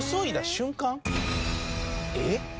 えっ？